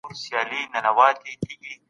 د ښوونکو روزنه د کیفیت لامل دی.